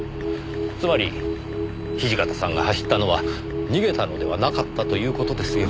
つまり土方さんが走ったのは逃げたのではなかったという事ですよ。